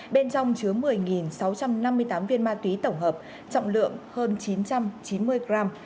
bên trong chứa một mươi sáu trăm năm mươi tám viên ma túy tổng hợp trọng lượng hơn chín trăm chín mươi gram